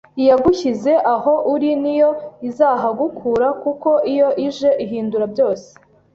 iyagushyize aho uri ni yo izahagukura kuko iyo ije ihindura byose.